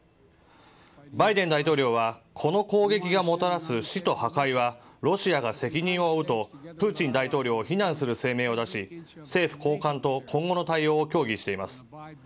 バイデン大統領はこの攻撃がもたらす死と破壊はロシアが責任を負うとプーチン大統領を非難する声明を出し、政府高官と今後の対応を協議しています。